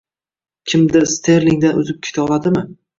Kimdir Sterlingdan o‘zib keta oladimi?